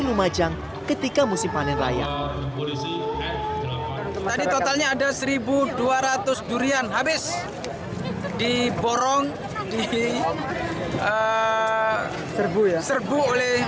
lumajang ketika musim panen raya tadi totalnya ada seribu dua ratus durian habis diborong di serbu ya serbu oleh